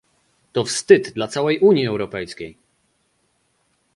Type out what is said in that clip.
To wstyd dla całej Unii Europejskiej!